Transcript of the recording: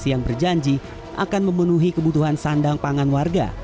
yang berjanji akan memenuhi kebutuhan sandang pangan warga